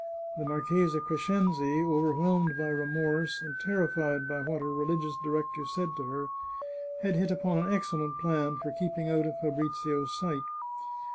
The Marchesa Crescenzi, overwhelmed by remorse, and terrified by what her religious director said to her, had hit upon an excellent plan for keeping out of Fabrizio's sight.